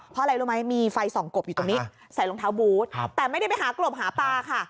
เพราะอะไรรู้ไหมมีไฟส่องกบอยู่ตรงนี้ใส่รองเท้าบูธแต่ไม่ได้ไปหากลบหาปลาค่ะ